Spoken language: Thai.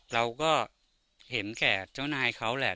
เราก็เห็นแก่เจ้านายเขาแหละ